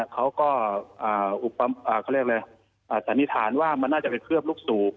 เขาก็สันนิษฐานว่ามันน่าจะไปเคลือบลูกสูบ